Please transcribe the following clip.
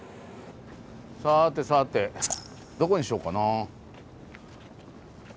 さてさてどこにしようかな。